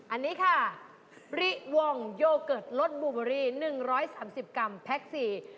อันนี้ค่ะริวงโยเกิร์ตลดบูเบอรี่๑๓๐กรัมแพ็คซี